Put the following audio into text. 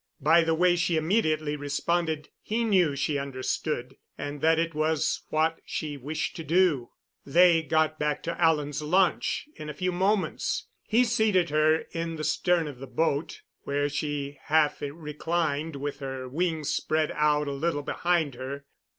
By the way she immediately responded he knew she understood, and that it was what she wished to do. They got back to Alan's launch in a few moments. He seated her in the stern of the boat, where she half reclined with her wings spread out a little behind her.